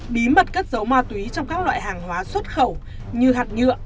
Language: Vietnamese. bí mật cất dấu ma túy trong các loại hàng hóa xuất khẩu như hạt nhựa